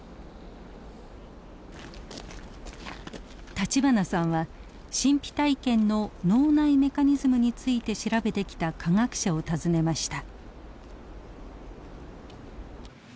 立花さんは神秘体験の脳内メカニズムについて調べてきた科学者を訪ねました。